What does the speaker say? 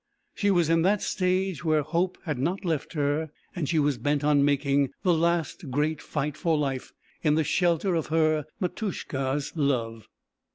She was in that stage where hope had not left her, and she was bent on making the last great fight for life in the shelter of her "Matushka's" love.